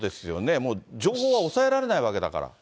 もう情報は抑えられないわけだから。